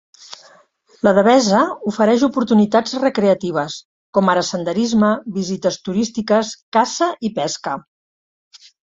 La devesa ofereix oportunitats recreatives, com ara senderisme, visites turístiques, caça i pesca.